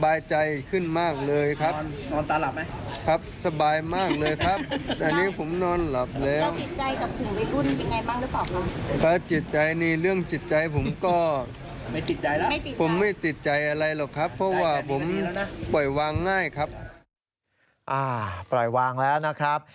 อ่าปล่อยวางแล้วนะครับ